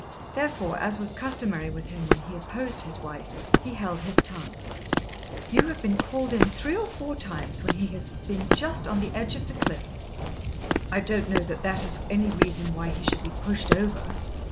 Therefore, as was customary with him when he opposed his wife, he held his tongue. "You have been called in three or four times when he has been just on the edge of the cliff." "I don't know that that is any reason why he should be pushed over."